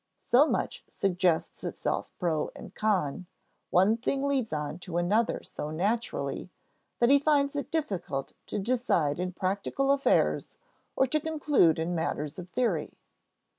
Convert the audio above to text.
So much suggests itself pro and con, one thing leads on to another so naturally, that he finds it difficult to decide in practical affairs or to conclude in matters of theory.